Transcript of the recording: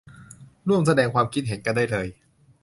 ร่วมแสดงความคิดเห็นกันได้เลย